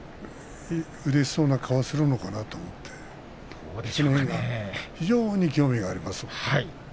うれしそうな顔をするのかなと非常に興味があります。